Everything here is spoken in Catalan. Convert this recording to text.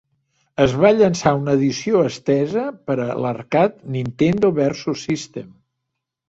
Es va llançar una edició estesa per a l'arcade Nintendo Versus System.